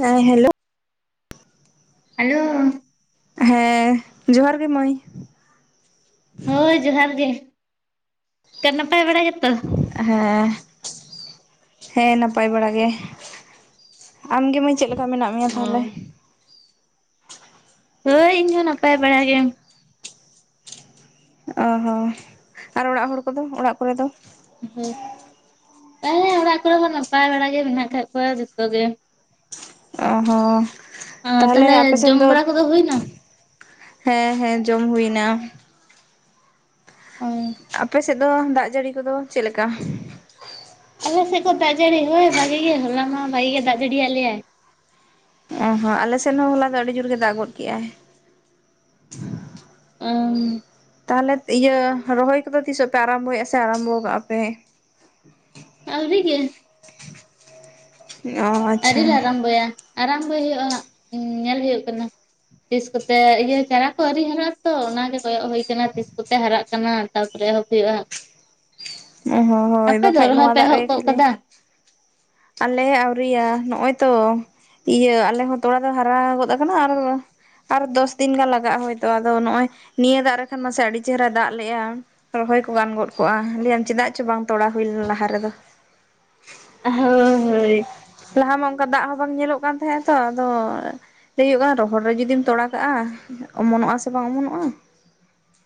ᱦᱮᱸ hello hello ᱦᱮᱸ ᱡᱚᱦᱟᱨ ᱜᱮ ᱢᱟᱹᱭ ᱦᱳᱭ ᱡᱚᱦᱟᱨ ᱜᱮ ᱚᱠᱟ ᱱᱟᱯᱟᱭ ᱵᱟᱲᱟ ᱜᱮᱛᱚ ᱦᱮᱸ ᱦᱮᱸ ᱱᱟᱯᱟᱭ ᱵᱟᱲᱟ ᱜᱮ ᱟᱢ ᱜᱮ ᱢᱟᱹᱭ ᱪᱮᱫ ᱞᱮᱠᱟ ᱢᱮᱱᱟᱜ ᱢᱮᱭᱟ ᱚ ᱛᱟᱦᱚᱞᱮ ᱦᱳᱭ ᱤᱧᱦᱚᱸ ᱱᱟᱯᱟᱭ ᱵᱟᱲᱟ ᱜᱮ ᱚ ᱦᱚᱸ ᱟᱨ ᱚᱲᱟᱜ ᱦᱚᱲ ᱠᱚᱫᱚ ᱚᱲᱟᱜ ᱠᱚᱨᱮ ᱫᱚ ᱦᱳᱭ ᱦᱮᱸ ᱚᱲᱟᱜ ᱠᱚᱨᱮ ᱫᱚ ᱱᱟᱯᱟᱭ ᱵᱟᱲ ᱜᱮ ᱢᱮᱱᱟᱜ ᱠᱟᱫ ᱠᱚᱣᱟ ᱡᱚᱛᱚ ᱜᱮ ᱚ ᱦᱚᱸ ᱛᱟᱦᱞᱮ ᱛᱟᱦᱚᱞᱮ ᱟᱯᱮ ᱥᱮᱱ ᱫᱚ ᱡᱚᱢ ᱵᱟᱲᱟ ᱠᱚᱫᱚ ᱦᱩᱭᱱᱟ? ᱦᱮᱸ ᱦᱮᱸ ᱡᱚᱢ ᱦᱩᱭ ᱱᱟ ᱚ ᱟᱯᱮ ᱥᱮᱫ ᱫᱚ ᱫᱟᱜ ᱡᱟᱹᱲᱤ ᱠᱚᱫᱚ ᱪᱮᱫ ᱞᱮᱠᱟ? ᱟᱞᱮ ᱥᱮᱫ ᱠᱚ ᱫᱟᱜ ᱡᱟᱹᱲᱤ ᱦᱳᱭ ᱵᱷᱟᱜᱤ ᱜᱮ ᱦᱚᱞᱟ ᱢᱟ ᱵᱷᱟᱜᱤ ᱜᱮ ᱫᱟᱜ ᱡᱟᱹᱲᱤᱭᱟ ᱞᱮᱭᱟᱭ ᱚ ᱦᱚᱸ ᱟᱞᱮ ᱥᱮᱫ ᱦᱚᱸ ᱦᱚᱞᱟ ᱫᱚ ᱟᱹᱰᱤ ᱡᱳᱨ ᱜᱮ ᱫᱟᱜ ᱜᱚᱫ ᱠᱮᱫ ᱟᱭ [unintelligible] ᱛᱟᱦᱚᱞᱮ ᱤᱭᱟᱹ ᱨᱚᱦᱚᱭ ᱠᱚᱫᱚ ᱛᱤᱥᱚᱜ ᱯᱮ ᱟᱨᱟᱢᱵᱷᱚᱭᱮᱫᱼᱟ ᱥᱮ ᱟᱨᱟᱢᱵᱷᱚ ᱠᱟᱜᱼᱟ ᱯᱮ? ᱟᱣᱨᱤ ᱜᱮ ᱚ ᱟᱹᱣᱨᱤ ᱟᱪᱪᱷᱟ ᱞᱮ ᱟᱨᱟᱢᱵᱚᱭᱟ ᱟᱨᱟᱢᱵᱚᱭ ᱦᱩᱭᱩᱜᱼᱟ ᱦᱟᱸᱜ ᱧᱮᱞ ᱦᱩᱭᱩᱜ ᱠᱟᱱᱟ ᱛᱤᱥᱠᱛᱮ ᱤᱭᱟᱹ ᱪᱟᱨᱟ ᱠᱚ ᱟᱨᱤ ᱦᱟᱨᱟᱜ ᱟᱛᱚ ᱚᱱᱟᱜᱮ ᱠᱚᱭᱚᱜ ᱦᱳᱭ ᱠᱟᱱᱟ ᱛᱤᱥᱠᱛᱮ ᱦᱟᱨᱟᱜ ᱠᱟᱱᱟ ᱛᱟᱯᱚᱨᱮ ᱮᱦᱚᱵ ᱦᱩᱭᱩᱜᱼᱟ ᱚ ᱦᱚᱸ ᱦᱳᱭ ᱟᱯᱮ ᱫᱚ ᱵᱟᱠᱷᱟᱡ ᱨᱚᱦᱚᱭ ᱱᱚᱣᱟ ᱯᱮ ᱫᱟᱜ ᱮᱦᱚᱵ ᱨᱮᱜᱮ ᱜᱚᱫ ᱠᱷᱟᱹᱞᱤ ᱠᱟᱫᱟ? ᱟᱞᱮ ᱟᱹᱣᱨᱤᱭᱟ ᱱᱚᱜᱼᱚᱭ ᱛᱚ ᱤᱭᱟᱹ ᱟᱞᱮ ᱦᱚᱸ ᱛᱚᱲᱟ ᱫᱚ ᱦᱟᱨᱟ ᱜᱚᱫ ᱟᱠᱟᱱᱟ ᱟᱨ ᱟᱨ ᱫᱚᱥᱫᱤᱱ ᱜᱟᱱ ᱞᱟᱜᱟᱜᱼᱟ ᱦᱚᱭᱛᱚ ᱟᱫᱚ ᱱᱚᱜᱚᱭ ᱱᱤᱭᱟᱹ ᱫᱟᱜ ᱨᱮᱠᱷᱟᱱ ᱢᱟᱥᱮ ᱟᱹᱰᱤ ᱪᱮᱦᱨᱟᱭ ᱫᱟᱜ ᱞᱮᱜᱼᱟ ᱨᱚ ᱦᱚᱭ ᱠᱚ ᱜᱟᱱ ᱜᱚᱫ ᱠᱚᱜᱼᱟ ᱞᱟᱹᱭᱟᱢ ᱪᱮᱫᱟᱜ ᱪᱚ ᱵᱟᱝ ᱛᱚᱲᱟ ᱦᱩᱭ ᱞᱮᱱᱟ ᱞᱟᱦᱟ ᱨᱮᱫᱚ ᱦᱳᱭ ᱦᱳᱭ ᱞᱟᱦᱟ ᱢᱟ ᱚᱱᱠᱟ ᱫᱟᱜ ᱦᱚᱸ ᱵᱟᱝ ᱧᱮᱞᱚᱜ ᱠᱟᱱ ᱛᱟᱦᱮᱸ ᱛᱚ ᱟᱫᱚ ᱞᱟᱹᱭ [unintelligible] ᱠᱟᱱᱟ ᱨᱚᱦᱚᱲ ᱨᱮ ᱡᱩᱚᱫᱤᱢ ᱛᱚᱲᱟ ᱠᱟᱜᱼᱟ ᱚᱢᱚᱱᱚᱜᱼᱟ ᱥᱮ ᱵᱟᱝ ᱚᱢᱚᱱᱚᱜᱼᱟ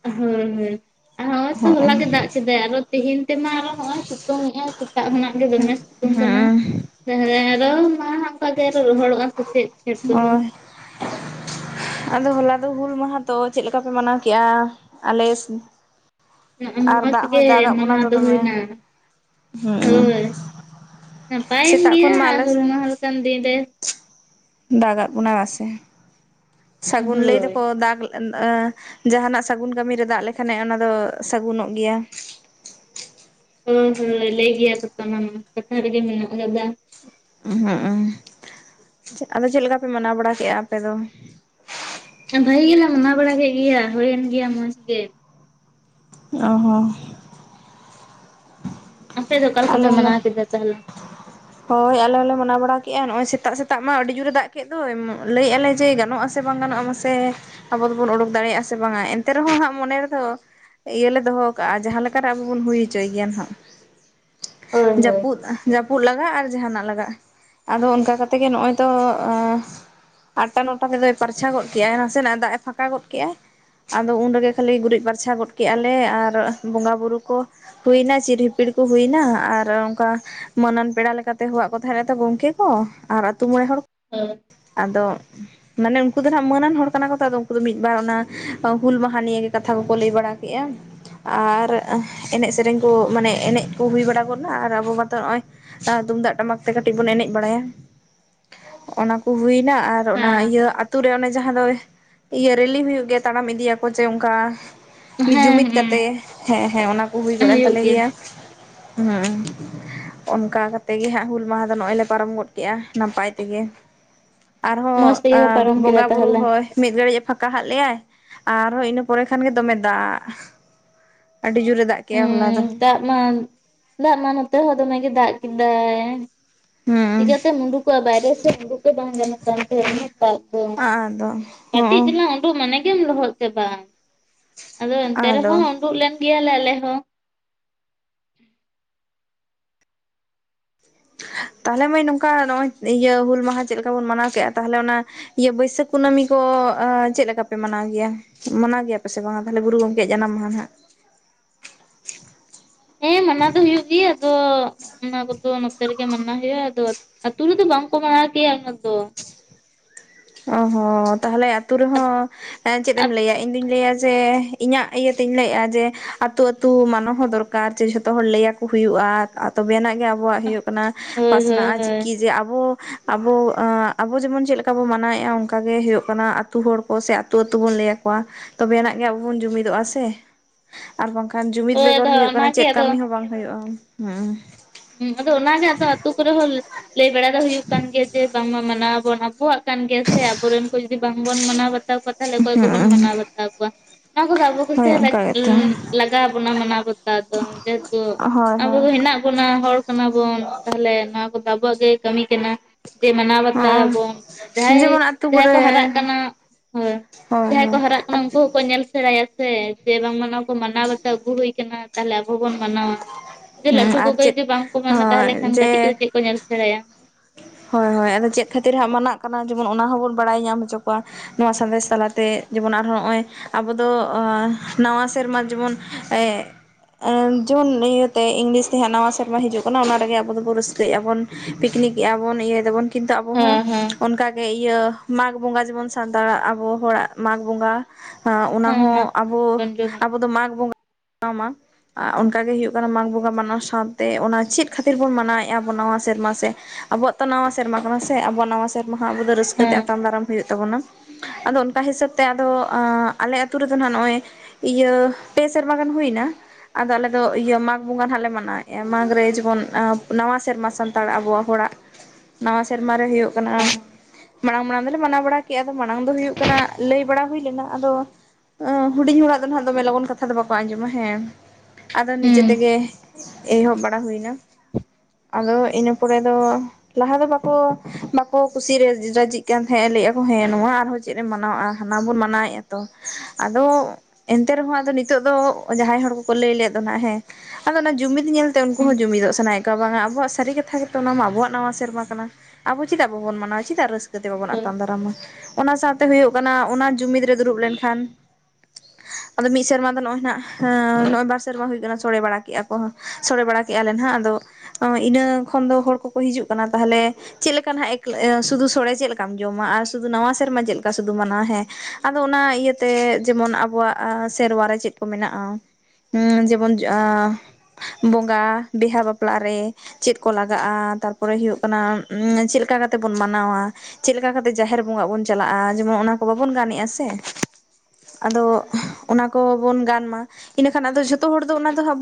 ᱦᱩᱸ ᱦᱩᱸ [unintelligible] ᱛᱚ ᱦᱚᱞᱟ ᱜᱮ ᱫᱟᱜ ᱠᱮᱫᱟᱭ ᱟᱨᱚ ᱛᱤᱦᱤᱧ ᱛᱮᱢᱟ ᱟᱨᱚ ᱦᱚᱜᱼᱚᱭ ᱥᱤᱛᱩᱝ ᱮ ᱟᱭ ᱥᱮᱛᱟᱜ ᱠᱷᱚᱱᱟᱜ ᱜᱮ ᱫᱚᱢᱮ ᱥᱤᱛᱩᱝ ᱠᱟᱱᱟ ᱦᱮᱸ [unintelligible] ᱢᱟ ᱜᱮ ᱟᱨᱚ ᱨᱚᱦᱚᱲᱚᱜᱼᱟ ᱥᱮ ᱪᱮᱫ ᱠᱷᱮᱛ ᱠᱚᱦᱚᱸ ᱦᱳᱭ ᱟᱫᱚ ᱦᱚᱞᱟ [unintelligible] ᱦᱩᱞ ᱢᱟᱦᱟ ᱛᱚ ᱪᱮᱫ ᱞᱮᱠᱟ ᱯᱮ ᱢᱟᱱᱟᱣ ᱠᱮᱜᱼᱟ ᱟᱞᱮ ᱱᱚᱜᱼᱚᱭ ᱟᱨ ᱢᱚᱡᱽ ᱫᱟᱜ ᱦᱚᱭ ᱜᱮ ᱫᱟᱜᱟᱜ ᱵᱚᱱᱟ ᱢᱟᱱᱟᱣ ᱛᱚ ᱫᱚ ᱫᱚᱢᱮ ᱦᱩᱭᱱᱟ ᱦᱩᱸ ᱦᱳᱭ ᱱᱟᱯᱟᱭ ᱮᱱ ᱥᱮᱛᱟᱜ ᱜᱮᱭᱟ ᱠᱷᱚᱱ ᱢᱟ ᱟᱨ ᱟᱞᱮ ᱦᱩᱞ ᱥᱮᱱ ᱢᱟᱦᱟ ᱞᱮᱠᱟᱱ ᱫᱤᱱᱨᱮ ᱫᱟᱜᱟᱜ ᱵᱚᱱᱟ ᱵᱟᱥᱮ ᱥᱟᱹᱜᱩᱱ ᱞᱟᱹᱭ ᱦᱳᱭ ᱫᱟᱠᱚ ᱫᱟᱜ ᱮ ᱡᱟᱦᱟᱸᱱᱟᱜ ᱥᱟᱹᱜᱩᱱ ᱠᱟᱹᱢᱤᱨᱮ ᱫᱟᱜ ᱞᱮᱠᱷᱟᱱ ᱚᱱᱟ ᱫᱚ ᱥᱟᱹᱜᱩᱱᱚᱜ ᱜᱮᱭᱟ [inaudible] ᱦᱳᱭ ᱦᱳᱭ ᱞᱟᱹᱭ ᱜᱮᱭᱟ ᱠᱚ ᱛᱚ ᱚᱱᱟᱢᱟ ᱠᱟᱛᱷᱟ ᱨᱮᱜᱮ ᱢᱮᱱᱟᱜ ᱠᱟᱫᱟ [unintelligible] ᱟᱫᱚ ᱪᱮᱫ ᱞᱮᱠᱟ ᱯᱮ ᱢᱟᱱᱟᱣ ᱵᱟᱲᱟ ᱠᱮᱜᱼᱟ ᱟᱯᱮ ᱫᱚ? ᱵᱷᱟᱹᱜᱤ ᱜᱮᱞᱮ ᱢᱟᱱᱟᱣ ᱵᱟᱲᱟ ᱠᱮᱜ ᱜᱮᱭᱟ ᱦᱩᱭᱮᱱ ᱜᱮᱭᱟ ᱢᱚᱡᱽ ᱜᱮ ᱚ ᱦᱚᱸ ᱦᱩᱸ ᱟᱞᱮ ᱦᱚᱸᱞᱮ ᱦᱳᱭ ᱟᱞᱮ ᱦᱚᱸᱞᱮ ᱢᱟᱱᱟ ᱵᱟᱲᱟ [unintelligible] ᱱᱚᱣᱟ ᱚᱭ ᱥᱮᱛᱟᱜ ᱥᱮᱛᱟᱜ ᱢᱟ ᱟᱹᱰᱤ ᱡᱳᱨᱮ ᱫᱟᱜ ᱠᱮᱫ ᱫᱚᱭ ᱞᱟᱹᱭᱮᱫ ᱟᱞᱮ ᱡᱮ ᱜᱟᱱᱚᱜ ᱟᱥᱮ ᱵᱟᱝ ᱜᱟᱱᱚᱜᱼᱟ ᱢᱟᱥᱮ [unintelligible] ᱟᱵᱚᱱ ᱳᱰᱳᱠ ᱫᱟᱲᱮᱭᱟᱜᱼᱟ ᱥᱮ ᱵᱟᱝᱟ ᱮᱱᱛᱮ ᱨᱮᱦᱚᱸ ᱦᱟᱸᱜ ᱢᱚᱱᱮ ᱨᱮᱫᱚ ᱤᱭᱟᱹᱞᱮ ᱫᱚᱦᱚ ᱠᱟᱜᱼᱟ ᱡᱟᱦᱟᱸ ᱞᱮᱠᱟᱨᱮ ᱟᱵᱚ ᱵᱚᱱ ᱦᱩᱭ ᱦᱚᱪᱚᱭ ᱜᱮᱭᱟ [unintelligible] ᱦᱳᱭ ᱦᱳᱭ ᱡᱟᱹᱯᱩᱫ ᱡᱟᱹᱯᱩ [unintelligible] ᱞᱟᱜᱟᱜᱼᱟ ᱟᱨ ᱡᱟᱦᱟᱱᱟᱜ ᱞᱟᱜᱟᱜ ᱟᱫᱚ ᱚᱱᱠᱟ ᱠᱟᱛᱮᱜ ᱜᱮ ᱱᱚᱜᱼᱚᱭ ᱛᱚ ᱟᱴᱴᱟ ᱱᱚᱴᱟ ᱛᱮᱫᱚᱭ ᱯᱟᱨᱪᱷᱟ ᱜᱚᱫ ᱠᱮᱜᱟᱭ ᱱᱟᱥᱮᱱᱟᱜ ᱫᱟᱜ ᱮ ᱯᱷᱟᱸᱠᱟ ᱜᱚᱫ ᱠᱮᱜᱟᱭ ᱟᱫᱚ ᱩᱱᱨᱮᱜᱮ ᱠᱷᱟᱹᱞᱤ ᱜᱩᱨᱤᱡ ᱯᱷᱟᱨᱪᱟ ᱜᱚᱫ ᱠᱮ ᱟᱞᱮ ᱟᱨ ᱵᱚᱸᱜᱟ ᱵᱩᱨᱩ ᱠᱚ ᱦᱩᱭᱱᱟ ᱪᱤᱨ ᱦᱤᱯᱤᱲ ᱦᱩᱭᱱᱟ ᱟᱨ ᱚᱱᱠᱟ ᱢᱟᱹᱱᱟᱱ ᱯᱮᱲᱟ ᱞᱮᱠᱟᱛᱮ ᱦᱚᱦᱚᱣᱟᱫ ᱠᱚ ᱛᱟᱦᱮᱸᱱᱟ ᱛᱚ ᱜᱚᱢᱠᱮ ᱠᱚ ᱟᱨ ᱟᱛᱳ ᱢᱚᱬᱮ ᱦᱚᱲ ᱠᱚ [unintelligible] ᱟᱫᱚ ᱢᱟᱱᱮ ᱩᱱᱠᱩ ᱫᱚ ᱦᱟᱜ ᱢᱟᱹᱱᱟᱱ ᱦᱚᱲ ᱠᱟᱱᱟ ᱠᱚ ᱛᱚ ᱟᱫᱚ ᱩᱱᱠᱩ ᱫᱚ ᱢᱤᱫᱵᱟᱨ ᱚᱱᱟ ᱦᱩᱞ ᱢᱟᱦᱟ ᱱᱤᱭᱟᱹ ᱜᱮ ᱠᱟᱛᱷᱟ ᱠᱚᱠᱚ ᱞᱟᱹᱭ ᱵᱟᱲᱟ ᱠᱮᱫᱼᱟ ᱟᱨ ᱮᱱᱮᱡ ᱥᱮᱨᱮᱧ ᱠᱚ ᱢᱟᱱᱮ ᱮᱱᱮᱡ ᱦᱩᱭ ᱵᱟᱲᱟ ᱜᱚᱫᱱᱟ ᱟᱨ ᱟᱵᱚ ᱢᱟᱛᱚ ᱱᱚᱜᱼᱚᱭ ᱛᱩᱢᱫᱟᱜ ᱴᱟᱢᱟᱠ ᱛᱮ ᱠᱟᱹᱴᱤᱡ ᱵᱚᱱ ᱮᱱᱮᱡ ᱵᱟᱲᱟᱭᱟ ᱚᱱᱟ ᱠᱚ ᱦᱩᱭᱱᱟ ᱟᱨ ᱚᱱᱟ ᱦᱮᱸ ᱤᱭᱟᱹ ᱟᱛᱩ ᱨᱮ ᱚᱱᱮ [unintelligible] ᱡᱟᱦᱟᱸ ᱫᱚᱭ ᱤᱭᱟᱹ ᱨᱮᱞᱤ ᱦᱩᱭᱩᱜ ᱜᱮᱭᱟ ᱛᱟᱲᱟᱢ ᱤᱫᱤᱭᱟᱠᱚ ᱡᱮ ᱚᱱᱠᱟ ᱢᱤᱫ ᱦᱮᱸ ᱡᱩᱢᱤᱫ ᱦᱮᱸ ᱠᱟᱛᱮ ᱦᱮᱸ ᱦᱮᱸ ᱚᱱᱟ ᱠᱚ ᱦᱩᱭ ᱜᱚᱫ ᱮᱱ ᱛᱟᱞᱮ ᱜᱮᱭᱟ ᱦᱮᱸ ᱚᱱᱠᱟ ᱠᱟᱛᱮᱮᱫ ᱜᱮ ᱦᱟᱸᱜ ᱦᱩᱞ ᱢᱟᱦᱟ ᱫᱚ ᱱᱚᱜᱼᱚᱭ ᱞᱮ ᱯᱟᱨᱚᱢ ᱜᱚᱫ ᱠᱮᱜᱼᱟ ᱱᱟᱯᱟᱭ ᱛᱮᱜᱮ ᱢᱚᱸᱡᱽ ᱟᱨᱦᱚᱸ ᱛᱮᱜᱮ ᱯᱮ ᱯᱟᱨᱚᱢ ᱠᱮᱫᱟ ᱵᱚᱸᱜᱟ ᱵᱩᱨᱩᱳ ᱛᱟᱦᱚᱞᱮ ᱦᱚᱸ ᱢᱤᱫ ᱜᱷᱟᱹᱲᱤᱡᱮ ᱯᱷᱟᱸᱠᱟ ᱟᱜ ᱞᱮᱭᱟᱭ ᱟᱨᱦᱚᱸ ᱤᱱᱟᱹ ᱯᱚᱨᱮ ᱠᱷᱟᱱᱜ ᱫᱚᱢᱮ ᱫᱟᱜ ᱟᱹᱰᱤ ᱡᱩᱨᱮ ᱫᱟᱜ ᱠᱮᱜᱼᱟ ᱦᱚᱞᱟ ᱫᱚ ᱦᱩᱸ ᱫᱟᱜ ᱢᱟ ᱫᱟᱜ ᱢᱟ ᱱᱚᱛᱮ ᱦᱚᱸ ᱫᱚᱢᱮᱜ ᱜᱮ ᱫᱟᱜ ᱠᱮᱫᱟᱭ ᱦᱩᱸ ᱪᱤᱠᱠᱟᱛᱮᱢ ᱩᱰᱩᱠᱚᱜᱼᱟ ᱵᱟᱭᱨᱮ ᱥᱮ ᱩᱰᱩᱠ ᱵᱟᱝ ᱜᱟᱱᱚᱜ ᱠᱟᱱ ᱛᱟᱦᱮᱸ ᱩᱱᱟᱹᱜ ᱫᱟᱜ ᱫᱚ ᱟᱫᱚ ᱠᱟᱹᱴᱤᱡ ᱦᱚᱸᱜ ᱪᱟᱞᱟᱝ ᱚᱰᱚᱜ ᱢᱟᱱᱮ ᱜᱮᱢ ᱞᱚᱦᱚᱫ ᱪᱟᱵᱟᱜ ᱟ ᱟᱫᱚ ᱮᱱᱛᱮ ᱨᱮᱦᱚᱸ ᱩᱰᱩᱠ ᱞᱮᱱ ᱜᱮᱭᱟᱞᱮ ᱟᱞᱮ ᱦᱚᱸ ᱦᱮᱸ [inaudible] ᱦ [unintelligible] ᱛᱟᱦᱚᱞᱮ ᱢᱟᱹᱭ ᱱᱚᱝᱠᱟ ᱱᱚᱜᱚᱭ ᱤᱭᱟᱹ ᱦᱩᱞ ᱢᱟᱦᱟ ᱪᱮᱫᱠᱟ ᱵᱚᱱ ᱢᱟᱱᱟᱣ ᱠᱮᱫᱼᱟ ᱛᱟᱦᱟᱞᱮ ᱚᱱᱟ ᱤᱭᱟᱹ ᱵᱟᱹᱭᱥᱟᱹᱠᱷ ᱠᱩᱱᱟᱹᱢᱤ ᱠᱚ ᱳ ᱪᱮᱫ ᱞᱮᱠᱟᱯᱮ ᱢᱟᱱᱟᱣ ᱜᱮᱭᱟ ᱢᱟᱱᱟᱣ ᱜᱮᱭᱟ ᱯᱮ ᱥᱮ ᱵᱟᱝᱟ ᱛᱟᱦᱞᱮ ᱜᱩᱨᱩ ᱜᱚᱢᱠᱮᱭᱟᱜ ᱡᱟᱱᱟᱢ ᱢᱟᱦᱟ ᱦᱟᱸᱜ [inaudible] ᱦᱮᱸ ᱢᱟᱱᱟᱣ ᱫᱚ ᱦᱩᱭᱩᱜ ᱜᱮᱭᱟ ᱟᱫᱚ ᱚᱱᱟ ᱠᱚᱫᱚ ᱱᱚᱛᱮ ᱨᱮᱜᱮ ᱢᱟᱱᱟᱣ ᱦᱩᱭᱩᱜᱼᱟ ᱟᱫᱚ ᱟᱹᱛᱩ ᱨᱮᱫᱚ ᱵᱟᱝ ᱠᱚ ᱢᱟᱱᱟᱣ ᱠᱮᱭᱟ ᱚᱱᱟ ᱫᱚ ᱚ ᱦᱚᱸ ᱛᱟᱦᱞᱮ ᱟᱛᱩ ᱟᱫ ᱨᱮᱦᱚᱸ ᱪᱮᱫ ᱮᱢ ᱟᱫ ᱞᱟᱹᱭᱟ ᱤᱧ ᱫᱩᱧ ᱞᱟᱹᱭᱟ ᱡᱮ ᱤᱧᱟᱹᱜ ᱤᱭᱟᱹᱛᱤᱧ ᱞᱟᱹᱭᱮᱫᱼᱟ ᱡᱮ ᱟ ᱟᱹᱛᱩ ᱟᱹᱛᱩ ᱢᱟᱱᱟᱣ ᱦᱚᱸ ᱫᱚᱨᱠᱟᱨ ᱡᱮ ᱡᱷᱚᱛᱚ ᱦᱚᱲ ᱞᱟᱹᱭᱟᱠᱚ ᱦᱩᱭᱩᱜᱼᱟ ᱟᱨ ᱛᱚᱵᱮᱭᱟᱱᱟᱜ ᱜᱮ ᱟᱵᱚᱣᱟᱜ ᱦᱩᱭᱩᱜ ᱠᱟᱱᱟ ᱦᱳᱭ ᱦᱳᱭ ᱯᱟᱥᱱᱟᱜᱼᱟ ᱦᱳᱭ ᱪᱤᱠᱤ ᱡᱮ ᱟᱵᱚ ᱟᱵᱚ ᱟ ᱟᱵᱚ ᱡᱮᱢᱚᱱ ᱪᱮᱫᱮ ᱞᱮᱠᱟ ᱵᱚᱱ ᱢᱟᱱᱟ [unintelligible] ᱚᱱᱠᱟ ᱜᱮ ᱦᱩᱭᱩᱜ ᱦᱚᱲ ᱠᱚ ᱥᱮ ᱟᱹᱛᱩᱛ ᱵᱚᱱ ᱞᱟᱹᱭᱭᱟᱚ ᱛᱚᱵᱮᱱᱟᱜ ᱜᱮ ᱟᱵᱚ ᱵᱚᱱ ᱡᱩᱢᱤᱫᱚᱜᱼᱟ ᱥᱮ ᱮᱦ ᱟᱨ ᱵᱟᱝᱠᱷᱟᱱ ᱡᱩᱢᱤᱫ ᱦᱳᱭ ᱵᱮᱜᱚᱨ ᱟᱫᱚ ᱦᱩᱭᱩᱜ ᱠᱟᱱᱟ ᱚᱱᱟᱜᱮ ᱪᱮᱫ ᱠᱟᱹᱢᱤ ᱦᱚᱸ ᱵᱟᱝ ᱦᱩᱭᱩᱜᱼᱟ ᱦ ᱦᱮᱸ ᱟᱫᱚ ᱚᱱᱟᱜᱮ ᱟᱫᱚ ᱟᱛᱩ ᱠᱚᱨᱮ ᱦᱚᱸ ᱞᱟᱹᱭ ᱵᱟᱲᱟ ᱫᱚ ᱦᱩᱭᱩᱜ ᱠᱟᱱ ᱜᱮᱭᱟ ᱡᱮ ᱵᱟᱝᱢᱟ ᱢᱟᱱᱟᱣᱟᱵᱚᱱ ᱟᱵᱚᱣᱟᱜ ᱠᱟᱱ ᱜᱮᱭᱟ ᱥᱮ ᱟᱵᱚᱨᱮᱱ ᱠᱚ ᱡᱩᱫᱤ ᱵᱟᱝᱵᱚᱱ ᱢᱟᱱᱟᱣ ᱵᱟᱛᱟᱣ ᱠᱚᱣᱟ ᱛᱟᱦᱚᱞᱮ ᱚᱠᱚᱭ ᱠᱚᱵᱚᱱ ᱦᱩᱸ ᱢᱟᱱᱟᱣ ᱵᱟᱛᱟᱣ ᱠᱚᱣᱟ ᱱᱚᱣᱟ ᱠᱚᱫᱚ ᱟᱵᱚ ᱫᱚᱥᱮ ᱦᱳᱭ ᱚᱢ ᱚᱱᱠᱟ ᱜᱮᱛᱚ [unintelligible] ᱞᱟᱜᱟᱣ ᱟ ᱵᱚᱱᱟ ᱢᱟᱱᱟᱣ ᱵᱟᱛᱟᱣ ᱫᱚ ᱡᱮᱦᱮᱛᱩ ᱦᱳᱭ ᱦᱳᱭ ᱢᱟ ᱦᱚᱲ ᱠᱟᱱᱟ ᱵᱚᱱ ᱛᱟᱦᱚᱞᱮ ᱱᱚᱣᱟ ᱠᱚᱫᱚ ᱟᱵᱚᱣᱟᱜ ᱜᱮ ᱠᱟᱹᱢᱤ ᱠᱟᱱᱟ ᱡᱮ ᱢᱟᱱᱟᱣ ᱵᱟᱛᱟ ᱦᱚᱸ ᱟᱵᱚᱱ ᱡᱟᱦᱟᱸᱭ ᱡᱮᱢᱚᱱ ᱟᱛᱳ ᱠᱚ ᱠᱚᱨᱮ ᱦᱟᱨᱟᱜ ᱠᱟᱱᱟ ᱦᱳᱭ ᱡᱟᱦᱟᱸᱭ ᱠᱚ ᱦᱟᱨᱟᱜ ᱠᱟᱱᱟ ᱩᱱᱠᱩ ᱦᱚᱸᱠᱚ ᱧᱮᱞ ᱥᱮᱲᱟᱭᱟ ᱥᱮ ᱵᱟᱝᱢᱟᱟᱱᱟ ᱠᱚ ᱢᱟᱱᱟᱣ ᱵᱟᱛᱟᱣ ᱟᱹᱜᱩ ᱦᱩᱭ ᱟᱠᱟᱱᱟ ᱛᱟᱦᱚᱞᱮ ᱟᱵᱚ ᱵᱚᱱ ᱢᱟᱱᱟᱣᱟ ᱡᱮ ᱦᱩᱸ ᱞᱟᱹᱴᱩ ᱠᱚ ᱟᱨ ᱪᱮᱫ ᱡᱩᱫᱤ ᱵᱟᱝᱠᱚ ᱢᱮᱱᱟ ᱛᱟᱦᱚᱞᱮ ᱦᱳᱭ ᱠᱷᱟᱱ ᱠᱟᱹᱴᱤᱡ ᱠᱚᱫᱚ ᱡᱮ ᱪᱮᱫ ᱠᱚ ᱧᱮᱞ ᱥᱮᱬᱟᱭᱟ ᱦᱳᱭ ᱦᱳᱭ ᱟᱫᱚ ᱪᱮᱫ ᱠᱷᱟᱹᱛᱤᱨ ᱦᱟᱸᱜ ᱢᱟᱱᱟᱜ ᱠᱟᱱᱟ ᱡᱮᱢᱚᱱ ᱚᱱᱟ ᱦᱚᱸᱵᱚᱱ ᱵᱟᱲᱟᱭ ᱧᱟᱢ ᱦᱚᱪᱚ ᱠᱚᱣᱟ ᱱᱚᱣᱟ ᱥᱟᱸᱫᱮᱥ ᱛᱟᱞᱟᱛᱮ ᱡᱮᱢᱚᱱ ᱟᱨᱦᱚᱸ ᱱᱚᱜᱼᱚᱭ ᱟᱵᱚ ᱫᱚ ᱱᱟᱣᱟ ᱥᱮᱨᱢᱟ ᱡᱮᱢᱚᱱ ᱡᱩᱱ ᱤᱭᱟᱹᱛᱮ ᱤᱝᱞᱤᱥ ᱛᱮ ᱦᱟᱜ ᱱᱟᱣᱟ ᱥᱮᱨᱢᱟ ᱦᱤᱡᱩᱜ ᱠᱟᱱᱟ ᱚᱱᱟ ᱨᱮᱜᱮ ᱟᱵᱚ ᱫᱚᱵᱚᱱ ᱨᱟᱹᱥᱠᱟᱹᱭᱮᱫᱼᱟ ᱵᱚᱱ ᱯᱤᱠᱱᱤᱠ [unintelligible] ᱤᱭᱟᱹᱭ ᱮᱫᱟ ᱫᱟᱵᱚᱱ ᱠᱤᱱᱛᱩ ᱟᱵᱚ ᱦᱚᱸ ᱦᱮᱸ ᱦᱮᱸ ᱚᱱᱠ ᱜᱮ ᱤᱭᱟᱹ ᱢᱟᱜᱽ ᱵᱚᱸᱜᱟ ᱡᱮᱢᱚᱱ ᱥᱟᱱᱛᱟᱲᱟᱜ ᱟᱵᱚ ᱦᱚᱲᱟᱜ ᱢᱟᱜᱽ ᱵᱚᱸᱜᱟ ᱦᱮᱸ ᱢᱟᱜᱽ ᱚᱱᱟᱦᱚᱸ ᱥᱤᱢ ᱟᱵᱚ ᱵᱚᱱ ᱡᱚᱢᱮᱫ ᱟᱵᱚ ᱠᱚᱣᱟ ᱫᱚ ᱢᱟᱜᱽ ᱵᱚᱸᱜᱟ [unintelligible] ᱚᱱᱠᱟ ᱜᱮ ᱦᱩᱭᱩᱜ ᱠᱟᱱᱟ ᱢᱟᱜᱽ ᱵᱚᱸᱜᱟ ᱢᱟᱱᱟᱣ ᱥᱟᱶᱛᱮ ᱚᱱᱟ ᱪᱮᱫ ᱠᱷᱟᱹᱛᱤᱨ ᱵᱚᱱ ᱢᱟᱱᱟᱣᱮᱫᱼᱟ ᱱᱟᱣᱟ ᱥᱮᱨᱢᱟ ᱥᱮᱫ ᱟᱵᱚᱣᱟᱜ ᱛᱚ ᱱᱟᱣᱟ ᱥᱮᱨᱢᱟ ᱠᱟᱱᱟ ᱥᱮ ᱟᱵᱚᱣᱟᱜ ᱛᱚ ᱱᱟᱣᱟ ᱥᱮᱨᱢᱟ ᱠᱟᱱᱟ ᱥᱮ ᱟᱵᱚᱣᱟᱜ ᱱᱟᱣᱟ ᱥᱮᱨᱢᱟ ᱦᱟᱜ ᱟᱵᱚ ᱫᱚ ᱨᱟᱹᱥᱠᱟᱹ ᱛᱮ ᱦᱮᱸ ᱟᱛᱟᱝ ᱫᱟᱨᱟᱢ ᱦᱩᱭᱩᱜ ᱛᱟᱵᱚᱱᱟ ᱟᱫᱚ ᱚᱠᱟ ᱦᱤᱥᱟᱹᱵ ᱛᱮ ᱟᱫᱚ ᱦᱳᱭ ᱟᱞᱮ ᱟᱹᱛᱩ ᱨᱮᱫᱚ ᱱᱟᱦᱜ ᱱᱚᱜᱼᱚᱭ ᱤᱭᱟᱹ ᱯᱮ ᱥᱮᱨᱢᱟ ᱜᱟᱱ ᱦᱩᱭᱱᱟ ᱟᱫᱚ ᱟᱞᱮᱫ ᱫᱚ ᱤᱭᱟᱹ ᱢᱟᱜᱽ ᱵᱚᱸᱜᱟ ᱦᱟᱸᱜ ᱞᱮ ᱢᱟᱱᱟᱣᱮᱫᱼᱟ ᱢᱟᱜᱽ ᱨᱮ ᱡᱮᱢᱚᱱ ᱱᱟᱣᱟ ᱥᱮᱨᱢᱟ ᱥᱟᱱᱛᱟᱲ ᱟᱵᱚᱣᱟᱜ ᱦᱚᱲᱟᱜ ᱱᱟᱣᱟ ᱥᱮᱨᱢᱟ ᱨᱮ ᱦᱩᱭᱩᱜ ᱠᱟᱱᱟ ᱢᱟᱲᱟᱝ ᱢᱟᱲᱟᱝ ᱫᱚᱞᱮ ᱢᱟᱱᱟᱣ ᱵᱟᱲᱟ ᱠᱮᱫᱼᱟ ᱟᱫᱚ ᱢᱟᱲᱟᱝ ᱫᱚ ᱦᱩᱭᱩᱜ ᱠᱟᱱᱟ ᱞᱟᱹᱭ ᱵᱟᱲᱟ ᱦᱩᱭ ᱞᱮᱱᱟ ᱟᱫᱚ ᱦᱩᱰᱤᱧ ᱦᱚᱲᱟᱜ ᱫᱚ ᱱᱟᱦᱜ ᱫᱚᱢᱮ ᱞᱚᱜᱚᱱ ᱠᱟᱛᱷᱟ ᱫᱚ ᱵᱟᱠᱚ ᱟᱸᱡᱚᱢᱟ ᱦᱮᱸ ᱟᱫᱚ ᱱᱤᱡᱮ ᱦᱩᱸ ᱛᱮᱜᱮ ᱮᱦᱚᱵ ᱵᱟᱲᱟ ᱦᱩᱭᱱᱟ ᱟᱫᱚ ᱤᱱᱟᱹ ᱯᱚᱨᱮ ᱫᱚ ᱞᱟᱦᱟ ᱫᱚ ᱵᱟᱠᱚ ᱵᱟᱠᱚ ᱠᱩᱥᱤ ᱨᱟᱹᱡᱤᱜ ᱠᱟᱱ ᱛᱟᱦᱮᱸᱜᱼᱟ ᱞᱟᱹᱭᱮᱫ ᱟᱠᱚ ᱦᱮᱸ ᱱᱚᱶᱟ ᱟᱨᱦᱚᱸ ᱪᱮᱫ ᱮᱢ ᱢᱟᱱᱟᱣᱼᱟ ᱢᱟᱱᱟ ᱵᱚᱱ ᱢᱟᱱᱟᱣᱮᱫᱼᱟ ᱛᱚ ᱟᱫᱚ ᱮᱱᱛᱮ ᱨᱮᱦᱚᱸ ᱱᱤᱛᱚᱜ ᱫᱚ ᱡᱟᱦᱟᱸᱭ ᱦᱚᱲ ᱠᱚᱠᱚ ᱞᱟᱹᱭ ᱞᱮᱫ ᱫᱚ ᱦᱮᱸ ᱟᱫᱚ ᱚᱱᱟ ᱡᱩᱢᱤᱫ ᱧᱮᱞᱛᱮ ᱩᱱᱠᱩ ᱦᱩᱸ ᱦᱚᱸ ᱡᱩᱢᱤᱫᱚᱜ ᱥᱟᱱᱟᱭᱮᱫ ᱠᱚᱣᱟ ᱵᱟᱝᱟ ᱟᱵᱚᱣᱟᱜ ᱥᱟᱹᱨᱤ ᱠᱟᱛᱷᱟ ᱜᱮᱛᱚ ᱚᱱᱟ ᱢᱟ ᱟᱵᱚᱣᱟᱜ ᱱᱟᱣᱟ ᱥᱮᱨᱢᱟ ᱠᱟᱱᱟ ᱟᱵᱚ ᱪᱮᱫᱟᱜ ᱵᱟᱵᱚᱱ ᱢᱟᱱᱟᱣᱟ ᱪᱮᱫᱟᱜ ᱨᱟᱹᱥᱠᱟᱹ ᱛᱮ ᱵᱟᱵᱚᱱ ᱦᱳᱭ ᱟᱛᱟᱝ ᱫᱟᱨᱟᱢᱟ ᱚᱱᱟ ᱥᱟᱶᱛᱮ ᱦᱩᱭᱩᱜ ᱠᱟᱱᱟ ᱚᱱᱟ ᱡᱩᱢᱤᱫ ᱨᱮ ᱫᱩᱲᱩᱵ ᱞᱮᱱᱠᱷᱟᱱ ᱟᱫᱚ ᱢᱤᱫ ᱥᱮᱨᱢᱟ ᱫᱚ ᱱᱚᱜᱼᱚᱭ ᱦᱟᱸᱱᱟᱜ ᱱᱚᱜᱼᱚᱭ ᱵᱟᱨ ᱥᱮᱨᱢᱟ ᱦᱩᱭᱩᱜ ᱠᱟᱱᱟ ᱥᱚᱲᱮ ᱵᱟᱲᱟ ᱠᱮᱜᱼᱟ ᱠᱚ ᱥᱚᱲᱮ ᱵᱟᱲᱟ ᱠᱮ ᱟᱞᱮ ᱱᱟᱦᱟᱜ ᱟᱫᱚ ᱤᱱᱟᱹ ᱠᱷᱚᱱ ᱫᱚ ᱦᱚᱲ ᱠᱚᱠᱚ ᱦᱤᱡᱩᱜ ᱛᱟᱦᱚᱞᱮ ᱪᱮᱫ ᱞᱮᱠᱟ ᱱᱟᱦᱜ ᱮᱠᱞᱟ ᱥᱩᱫᱩ ᱥᱚᱲᱮ ᱪᱮᱫ ᱞᱮᱠᱟᱢ ᱡᱚᱢᱟ ᱟᱨ ᱥᱩᱫᱷᱩ ᱱᱟᱣᱟ ᱥᱮᱨᱢᱟ ᱪᱮᱫ ᱞᱮᱠᱟ ᱥᱩᱫᱩ ᱢᱟᱱᱟᱣᱟ ᱦᱮᱸ ᱟᱫᱚ ᱚᱱᱟ ᱤᱭᱟᱹᱛᱮ ᱡᱮᱢᱚᱱ ᱟᱵᱚᱣᱟᱜ ᱥᱮᱨᱣᱟ ᱨᱮ ᱪᱮᱫ ᱠᱚ ᱢᱮᱱᱟᱜᱼᱟ ᱦᱩᱸ ᱡᱮᱢᱚᱱ ᱵᱚᱸᱜᱟ ᱵᱮᱦᱟ ᱵᱟᱯᱞᱟᱜ ᱨᱮ ᱪᱮᱫ ᱠᱚ ᱞᱟᱜᱟᱜᱼᱟ ᱛᱟᱨ ᱯᱚᱨᱮ ᱦᱩᱭᱩᱜ ᱠᱟᱱᱟ ᱪᱮᱫ ᱞᱮᱠᱟ ᱠᱟᱛᱮ ᱵᱚᱱ ᱢᱟᱱᱟᱣᱟ ᱪᱮᱫ ᱞᱮᱠᱟ ᱠᱟᱛᱮ ᱡᱟᱦᱮᱨ ᱵᱚᱸᱜᱟᱜ ᱵᱚᱱ ᱪᱟᱞᱟᱜᱼᱟ ᱡᱮᱢᱚᱱ ᱚᱱᱟ ᱵᱟᱵᱚᱱ ᱜᱟᱱᱮᱜᱼᱟ ᱥᱮ ᱟᱫᱚ ᱚᱱᱟ ᱠᱚᱵᱚᱱ ᱜᱟᱱ ᱢᱟ ᱤᱱᱟᱹᱠᱷᱟᱱ ᱟᱫᱚ ᱡᱷᱚᱛᱚ ᱦᱚᱲ ᱫᱚ ᱚᱱᱟ ᱫᱚ ᱦᱟᱸᱜ